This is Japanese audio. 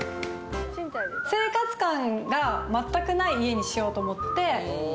生活感が全くない家にしようと思って。